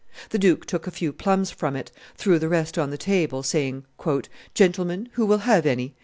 The duke took a few plums from it, threw the rest on the table, saying, "Gentlemen, who will have any?"